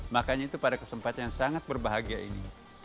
makanya itu pada kesempatan yang sangat berbahagia ini